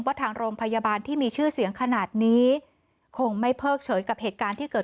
ทางโรงพยาบาลที่มีชื่อเสียงขนาดนี้คงไม่เพิกเฉยกับเหตุการณ์ที่เกิด